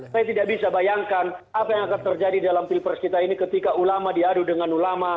saya tidak bisa bayangkan apa yang akan terjadi dalam pilpres kita ini ketika ulama diadu dengan ulama